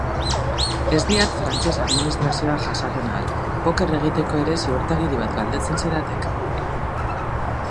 Ez diat frantses administrazioa jasaten ahal, poker egiteko ere ziurtagiri bat galdetzen zidatek!